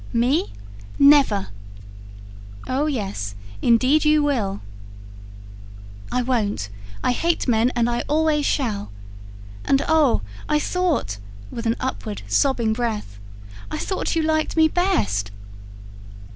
"Me? never!" "Oh, yes, indeed you will." "I won't. I hate men and I always shall. And oh, I thought" with an upward, sobbing breath "I thought you liked me best."